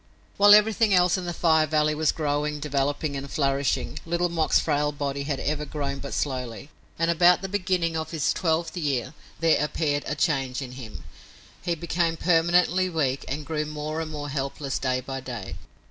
While everything else in the Fire Valley was growing, developing and flourishing, Little Mok's frail body had ever grown but slowly, and about the beginning of his twelfth year there appeared a change in him. He became permanently weak and grew more and more helpless day by day.